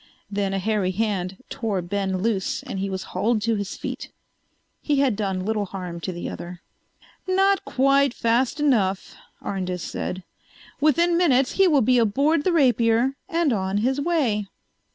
Then a hairy hand tore Ben loose and he was hauled to his feet. He had done little harm to the other. "Not quite fast enough," Arndis said. "Within minutes he will be aboard the Rapier and on his way."